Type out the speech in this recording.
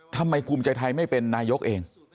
ภูมิใจไทยไม่เป็นนายกเอง